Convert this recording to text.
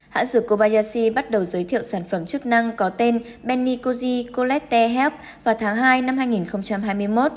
hãng dược kobayashi bắt đầu giới thiệu sản phẩm chức năng có tên benikoji colette help vào tháng hai năm hai nghìn hai mươi một